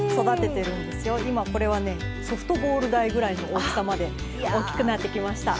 今これはねソフトボール大ぐらいの大きさまで大きくなってきました。